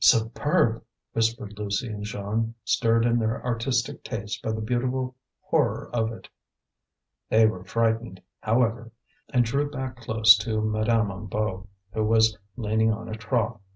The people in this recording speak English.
superb!" whispered Lucie and Jeanne, stirred in their artistic tastes by the beautiful horror of it. They were frightened, however, and drew back close to Madame Hennebeau, who was leaning on a trough.